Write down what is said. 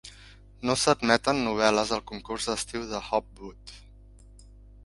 No s'admeten novel·les al concurs d'estiu de Hopwood.